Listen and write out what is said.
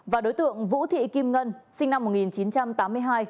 và đối tượng vũ thị kim ngân sinh năm một nghìn chín trăm tám mươi hai